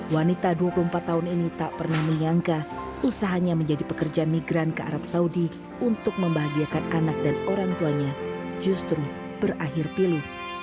wanita dua puluh empat tahun ini tak pernah menyangka usahanya menjadi pekerja migran ke arab saudi untuk membahagiakan anak dan orang tuanya justru berakhir pilu